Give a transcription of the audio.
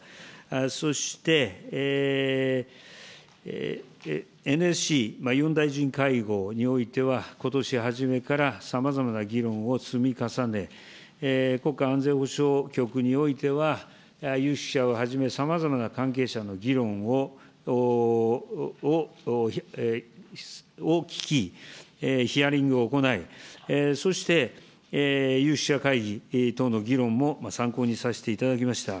そしてＮＳＣ４大臣会合においては、ことし初めからさまざまな議論を積み重ね、国家安全保障局においては、有識者をはじめさまざまな関係者の議論を聞き、ヒアリングを行い、そして、有識者会議等の議論も参考にさせていただきました。